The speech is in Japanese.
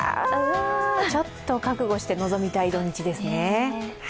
ちょっと覚悟して臨みたい土日ですね。